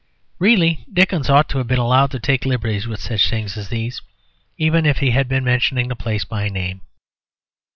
Really, Dickens might have been allowed to take liberties with such things as these, even if he had been mentioning the place by name.